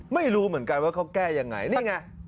ไม่รู้เหมือนกันว่าเขาแก้ยังไงนี่ไง